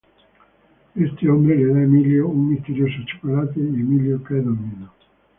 Este hombre le da a Emilio un misterioso chocolate y Emilio cae dormido.